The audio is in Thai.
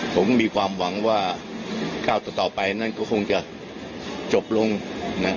ผมมีความหวังว่าก้าวต่อไปนั่นก็คงจะจบลงนะ